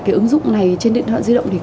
cái ứng dụng này trên điện thoại di động thì